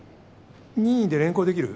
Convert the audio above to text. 任意で連行できる？